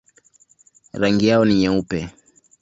Rangi yao ni nyeupe.